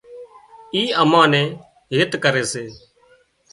اين ما اين نين هيت ڪري سي